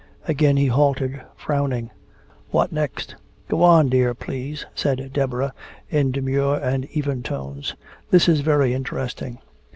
Again he halted, frowning. What next? "Go on, dear, please," said Deborah, in demure and even tones. "This is very interesting."